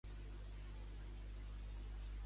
Jo també em dic Ada, a de a